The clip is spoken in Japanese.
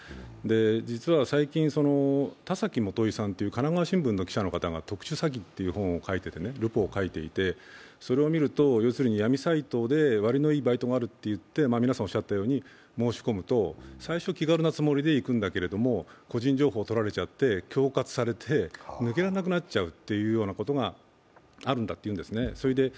実は最近、田崎もといさという神奈川新聞の記者さんが特殊詐欺というルポを書いていてそれを見ると闇サイトで割のいいバイトがあるということで申し込むと、最初、気軽なつもりで行くんだけれど個人情報を取られちゃって恐喝されて抜けられなくなっちゃうということがあるんだというんですね。